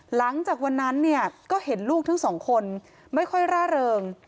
หลังจากวันนั้นเนี่ยก็เห็นลูกทั้งสองคนไม่ค่อยร่าเริง